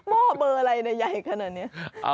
หม้อเบอร์อะไรใหญ่ขนาดนี้